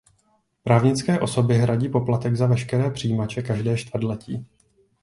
Právnické osoby hradí poplatek za veškeré přijímače každé čtvrtletí.